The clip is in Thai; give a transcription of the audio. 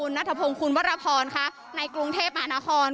มนัธพงค์คุณวรภรในกรุงเทพฯอาณาฮรณ